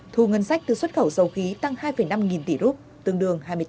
thu ngân sách từ xuất khẩu dầu khí tăng hai năm nghìn tỷ rup tương đương hai mươi tám